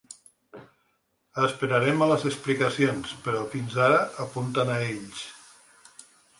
Esperarem a les explicacions, però fins ara apunten a ells.